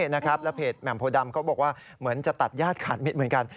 แล้วเพจแหม่มโพดำเขาบอกว่าเหมือนจะตัดญาติขาดมิตรเหมือนกัน